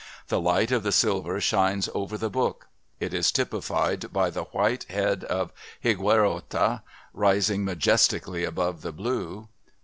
The light of the silver shines over the book. It is typified by "the white head of Higuerota rising majestically upon the blue."